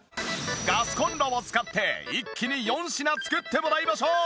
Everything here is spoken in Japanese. ガスコンロを使って一気に４品作ってもらいましょう！